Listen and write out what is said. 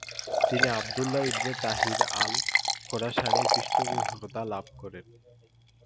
তিনি Abdullah ibn Tahir আল-খোরাসানির পৃষ্ঠপোষকতা লাভ করেন।